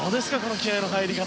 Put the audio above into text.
気合の入り方。